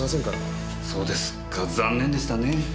そうですか残念でしたね。